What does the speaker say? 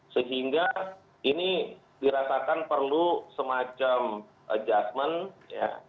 sehingga ini dirasakan perlu semacam adjustment ya